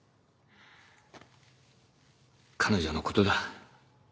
彼女のことだ。